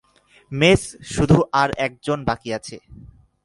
Mace শুধু আর একজন বাকি আছে।